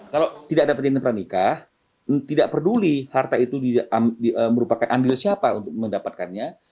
kalau tidak ada pendidikan peranikah tidak peduli harta itu merupakan andil siapa untuk mendapatkannya